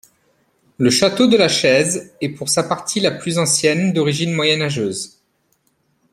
Le château de La Chèze est pour sa partie la plus ancienne d'origine Moyenâgeuse.